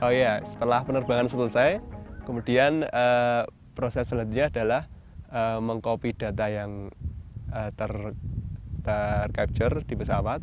oh iya setelah penerbangan selesai kemudian proses selanjutnya adalah meng copy data yang tercapture di pesawat